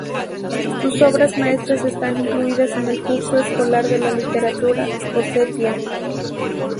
Sus obras maestras están incluidas en el curso escolar de la literatura osetia.